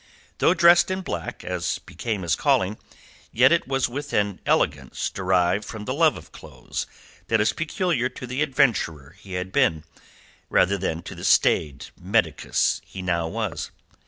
Though dressed in black as became his calling, yet it was with an elegance derived from the love of clothes that is peculiar to the adventurer he had been, rather than to the staid medicus he now was.